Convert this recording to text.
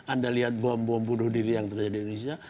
anda lihat bom bom bunuh diri yang terjadi di indonesia